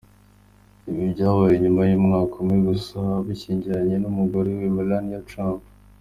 Ibi byabaye nyuma y’umwaka umwe gusa ashyingiranwe n’umugore we Melania Trump.